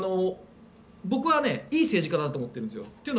僕はいい政治家だと思ってるんです。